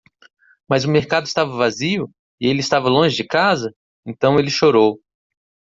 Mas o mercado estava vazio? e ele estava longe de casa? então ele chorou.